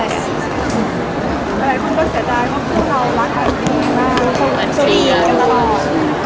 อะไรค่อยเสียดายเพราะพวกเรารักกันดีมาก